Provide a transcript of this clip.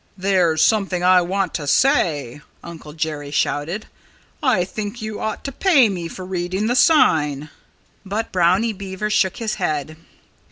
"There's something I want to say," Uncle Jerry shouted. "I think you ought to pay me for reading the sign." But Brownie Beaver shook his head.